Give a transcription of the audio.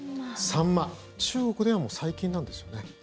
中国ではもう最近なんですよね。